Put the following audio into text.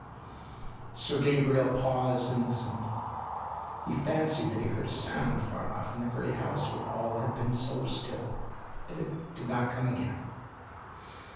Sir Gabriel paused and listened. He fancied that he heard a sound far off in the great house where all had been so still, but it did not come again.